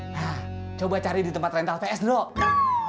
nah coba cari di tempat rental ps dok